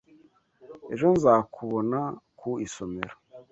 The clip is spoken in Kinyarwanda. Ejo nzakubona ku isomero.